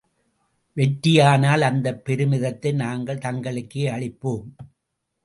வெற்றியானால் அந்தப் பெருமிதத்தை நாங்கள் தங்களுக்கே அளிப்போம்.